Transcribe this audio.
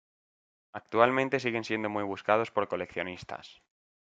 Actualmente siguen siendo muy buscados por coleccionistas.